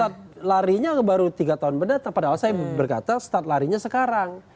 saat larinya baru tiga tahun berdata padahal saya berkata start larinya sekarang